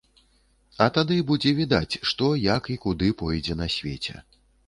А тады будзе відаць, што як і куды пойдзе на свеце.